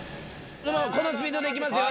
このスピードでいきますよ